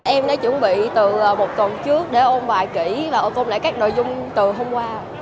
em đã chuẩn bị từ một tuần trước để ôn bài kỹ và ô tô lại các nội dung từ hôm qua